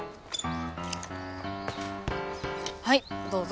はいどうぞ。